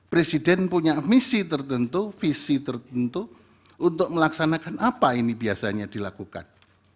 presiden punya misi tertentu visi tertentu untuk melaksanakan apa ini biasanya dilakukan